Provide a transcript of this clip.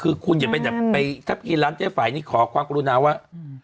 คือคุณอย่าไปถ้าไปกินร้านเจยะไฝนี้ขอความคุรุนาวค์ว่า